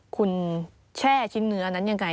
คุณแช่ชิ้นเนื้อนั้นยังไง